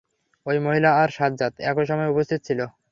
ঐ মহিলা আর সাজ্জাদ একই সময়ে উপস্থিত ছিল।